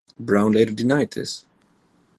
Brown later denied this.